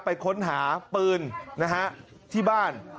ไปค้นหาปืนนะฮะที่บ้าน